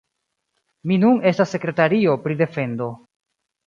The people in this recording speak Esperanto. Mi nun estas sekretario pri defendo.